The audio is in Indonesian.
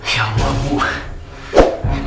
ya allah ibu